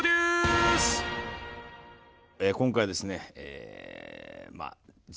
今回はですね。